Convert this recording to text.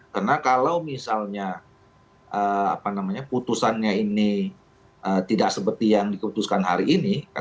karena kalau misalnya putusannya ini tidak seperti yang dikeputuskan hari ini